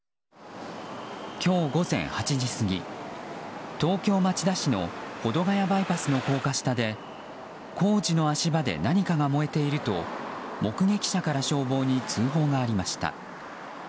今日午前８時過ぎ東京・町田市の保土ヶ谷バイパスの高架下で工事の足場で何かが燃えていると目撃者から消防に通報がありました。